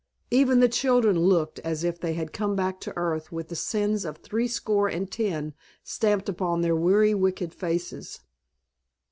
Even the children looked as if they had come back to Earth with the sins of threescore and ten stamped upon their weary wicked faces.